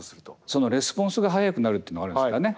そのレスポンスが早くなるっていうのはあるんですかね。